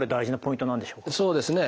そうですね。